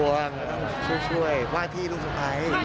มันต้องช่วยว่าที่ลูกสุขภัย